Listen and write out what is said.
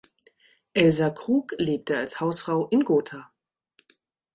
Elsa Krug lebte als Hausfrau in Gotha.